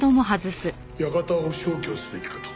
館を消去すべきかと。